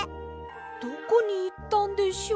どこにいったんでしょう？